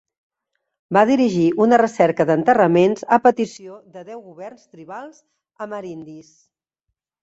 Va dirigir una recerca d'enterraments a petició de deu governs tribals amerindis.